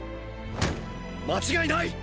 間違いない！！